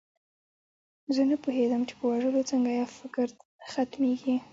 زه نه پوهېدم چې په وژلو څنګه یو فکر ختمیږي